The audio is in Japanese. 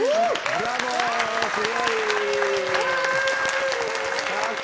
ありがとうございます。